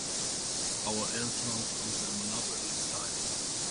Our influence on their monopoly is tiny.